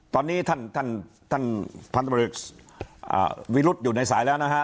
ตอนนี้ท่านท่านพันธบริษวิรุธอยู่ในสายแล้วนะฮะ